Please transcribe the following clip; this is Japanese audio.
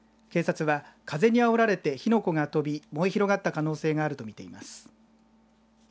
警察は、風にあおられて火の粉が飛び、燃え広がった可能性があると見ています。